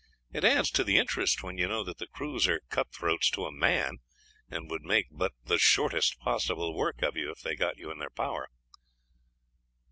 It adds to the interest when you know that the crews are cutthroats to a man, and would make but the shortest possible work of you if they had got you in their power."